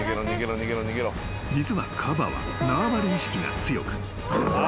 ［実はカバは縄張り意識が強く］